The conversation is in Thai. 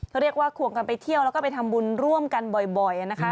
เขาเรียกว่าควงกันไปเที่ยวแล้วก็ไปทำบุญร่วมกันบ่อยนะคะ